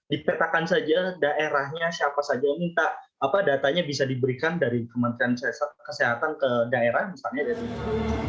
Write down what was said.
dipetakan saja daerahnya siapa saja yang minta datanya bisa diberikan dari kementerian kesehatan ke daerah misalnya dari